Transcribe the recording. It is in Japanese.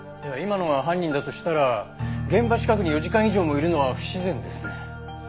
今のが犯人だとしたら現場近くに４時間以上もいるのは不自然ですね。